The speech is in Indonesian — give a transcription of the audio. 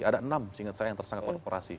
ada enam seingat saya yang tersangka korporasi